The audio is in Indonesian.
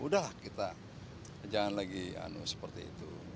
udahlah kita jangan lagi seperti itu